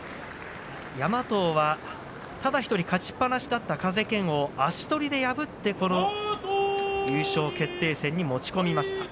山藤は、ただ１人勝ちっぱなしだった風賢央を足取りで破ってこの優勝決定戦に持ち込みました。